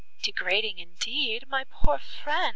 "Degrading indeed, my poor friend!"